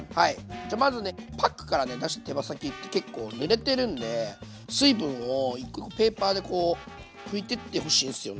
じゃあまずねパックから出した手羽先って結構ぬれてるんで水分をペーパーでこう拭いてってほしいんすよね。